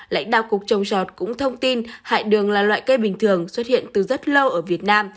lãnh đạo cục trồng trọt cũng thông tin hại đường là loại cây bình thường xuất hiện từ rất lâu ở việt nam